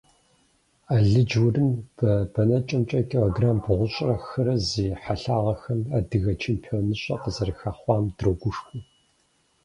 Алыдж-урым бэнэкӏэмкӏэ килограмм бгъущӏрэ хырэ зи хьэлъагъхэм адыгэ чемпионыщӏэ къызэрыхэхъуам дрогушхуэ!